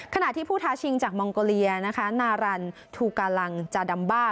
ขณะที่ผู้ท้าชิงจากมองโกเลียนะคะนารันทูกาลังจาดัมบ้า